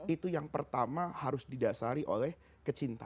itu yang pertama harus didasari oleh kecintaan